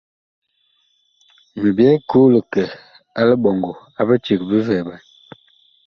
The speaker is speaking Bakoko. Mi byɛɛ koo li kɛ a liɓɔŋgɔ a biceg bi vɛɛɓan.